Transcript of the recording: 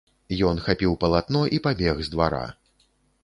Ён хапіў палатно і пабег з двара.